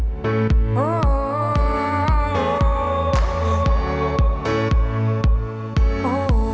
beberapa single yang ia ciptakan